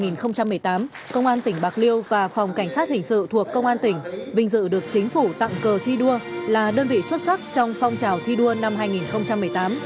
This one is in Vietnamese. năm hai nghìn một mươi tám công an tỉnh bạc liêu và phòng cảnh sát hình sự thuộc công an tỉnh vinh dự được chính phủ tặng cờ thi đua là đơn vị xuất sắc trong phong trào thi đua năm hai nghìn một mươi tám